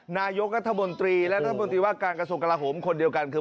นายกรัฐมนตรีและรัฐมนตรีว่าการกระทรวงกลาโหมคนเดียวกันคือ